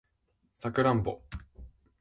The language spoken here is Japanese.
サクランボ